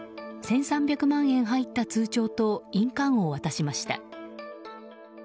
１３００万円入った通帳と印鑑を渡しました。